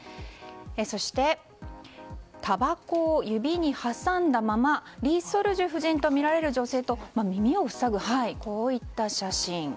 そして、たばこを指に挟んだままリ・ソルジュ夫人とみられる女性と耳を塞ぐといった写真。